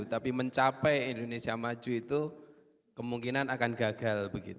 tapi mencapai indonesia maju itu kemungkinan akan gagal